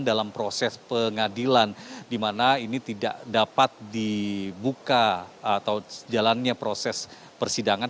dan dalam proses pengadilan di mana ini tidak dapat dibuka atau jalannya proses persidangan